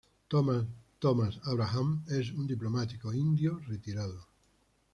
Thomas Thomas Abraham es un diplomático, indio retirado.